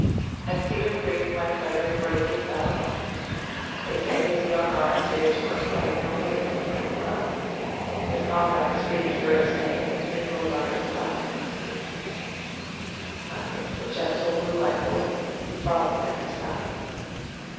At Cedar Creek my Frederick bravely fell; They say his young arm did its work right nobly and right well ; His comrades breathe the hero's name with mingled love and pride ; I miss the gentle blue eyed boy, who frolicked at my side.